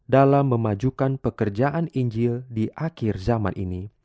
dalam memajukan pekerjaan injil di akhir zaman ini